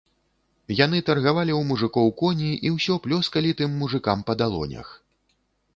Яны таргавалі ў мужыкоў коні і ўсё плёскалі тым мужыкам па далонях.